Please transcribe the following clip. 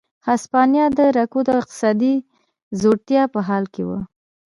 هسپانیا د رکود او اقتصادي ځوړتیا په حال کې وه.